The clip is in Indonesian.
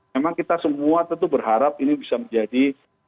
memang kita semua tentu berharap ini bisa menjadi